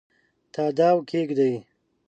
تاداو کښېږدي